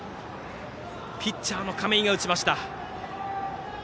ピッチャーの亀井が打ちました。